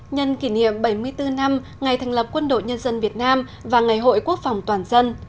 nhân kỷ niệm bảy mươi bốn năm ngày thành lập quân đội nhân dân việt nam và ngày hội quốc phòng toàn dân